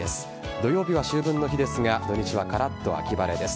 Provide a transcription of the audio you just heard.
土曜日は秋分の日ですが土日はカラッと秋晴れです。